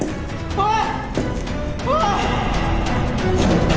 おい！